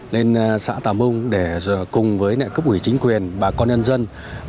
lên xã tà mung để cùng với cấp ủy chính quyền bà con nhân dân